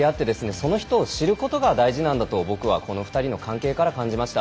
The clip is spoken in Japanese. その人を知ることが大事なんだと僕は、この２人の関係から感じました。